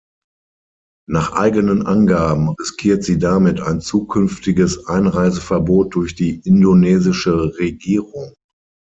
Nach eigenen Angaben riskiert sie damit ein zukünftiges Einreiseverbot durch die indonesische Regierung.